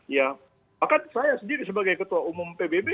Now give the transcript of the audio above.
ya bahkan saya sendiri sebagai ketua umum pbb